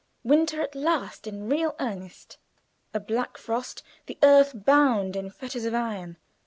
Winter at last in real earnest. A black frost. The earth bound in fetters of iron.